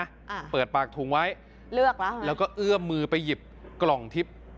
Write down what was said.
อ่าเปิดปากถุงไว้เลือกแล้วแล้วก็เอื้อมมือไปหยิบกล่องทิพย์